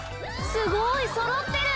すごいそろってる。